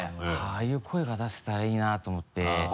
ああいう声が出せたらいいなと思って。